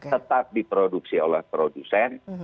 tetap diproduksi oleh produsen